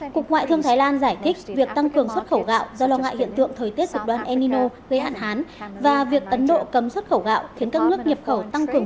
cục ngoại thương thái lan giải thích việc tăng cường xuất khẩu gạo do lo ngại hiện tượng thời tiết sụp đoan enino gây hạn hán và việc ấn độ cấm xuất khẩu gạo khiến các nước nhập khẩu tăng cường